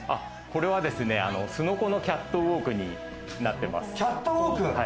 こちら、すのこのキャットウォークになってます。